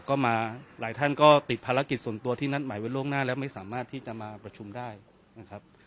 ก็มาหลายท่านก็ติดภารกิจส่วนตัวที่นัดหมายไว้ล่วงหน้าแล้วไม่สามารถที่จะมาประชุมได้นะครับ